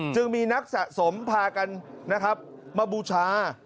จึงมีนักสะสมพากันนะครับมาบูชา